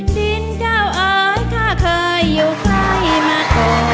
ร้องได้ให้ล้าน